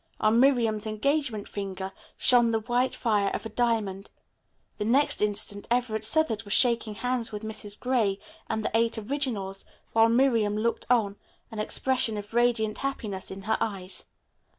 On Miriam's engagement finger shone the white fire of a diamond. The next instant Everett Southard was shaking hands with Mrs. Gray and the Eight Originals, while Miriam looked on, an expression of radiant happiness in her eyes.